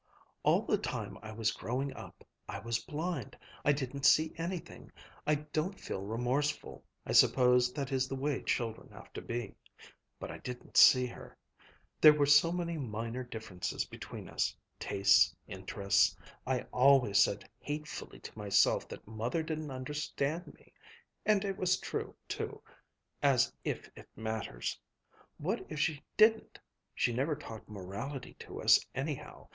"All the time I was growing up, I was blind, I didn't see anything. I don't feel remorseful, I suppose that is the way children have to be. But I didn't see her. There were so many minor differences between us ... tastes, interests. I always said hatefully to myself that Mother didn't understand me. And it was true too. As if it matters! What if she didn't! She never talked morality to us, anyhow.